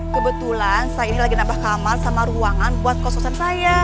kebetulan saya ini lagi nabah kamar sama ruangan buat kos kosan saya